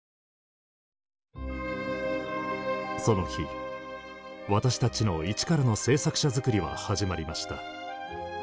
その日私たちの一からの制作者づくりは始まりました。